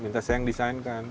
minta saya yang desainkan